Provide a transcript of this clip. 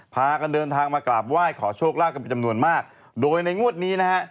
พากันเดินทางมากราบไหว้ขอโชคลาภกันเป็นจำนวนมากโดยในงวดนี้นะฮะ